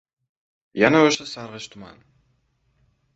Yana o‘sha sarg‘ish tuman.